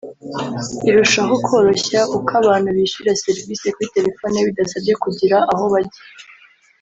irushaho kworoshya uko abantu bishyura serivisi kuri telefone bidasabye kugira aho bajya